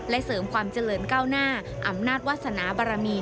เสริมความเจริญก้าวหน้าอำนาจวาสนาบารมี